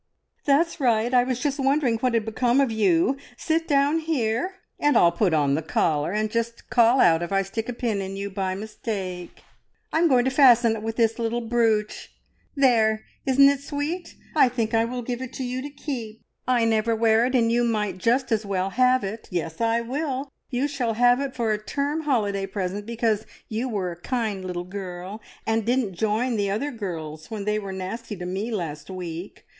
"That's right! I was just wondering what had become of you. Sit down here, and I'll put on the collar, and just call out if I stick a pin in you by mistake. I'm going to fasten it with this little brooch. There! Isn't it sweet? I think I will give it to you to keep. I never wear it, and you might just as well have it. Yes, I will! You shall have it for a term holiday present, because you were a kind little girl and didn't join the other girls when they were nasty to me last week.